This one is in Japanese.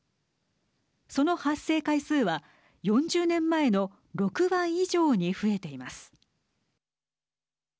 その発生回数は４０年前の６倍以上に増えています。